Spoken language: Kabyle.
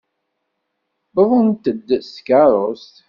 Wwḍent-d s tkeṛṛust.